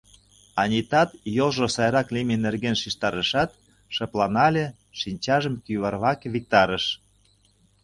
Анитат йолжо сайрак лийме нерген шижтарышат, шыпланале, шинчажым кӱварваке виктарыш.